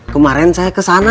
kemarin saya kesana